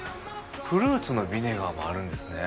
フルーツのビネガーもあるんですね。